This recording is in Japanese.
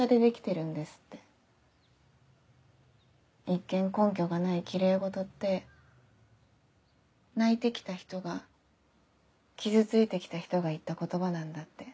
一見根拠がないキレイ事って泣いて来た人が傷ついて来た人が言った言葉なんだって。